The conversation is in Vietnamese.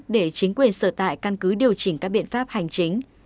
để chính quyền sở tại căn cứ điều chỉnh các biện pháp hành chính